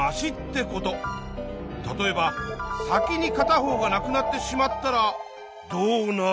例えば先にかた方がなくなってしまったらどうなる？